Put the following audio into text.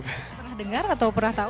pernah dengar atau pernah tahu